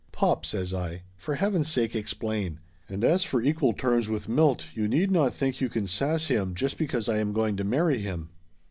"Pop!" says I. "For heaven's sake, explain. And as for equal terms with Milt, you need not think you can sass him just because I am going to marry him!"